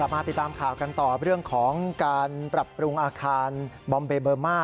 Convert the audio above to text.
มาติดตามข่าวกันต่อเรื่องของการปรับปรุงอาคารบอมเบเบอร์มา